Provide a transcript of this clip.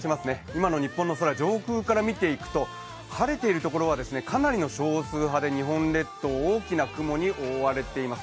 今の日本の空、上空から見ていくと晴れているところはかなりの少数派で日本列島、大きな雲に覆われています。